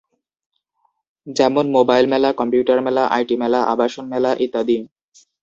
যেমন মোবাইল মেলা, কম্পিউটার মেলা, আইটি মেলা, আবাসন মেলা ইত্যাদি।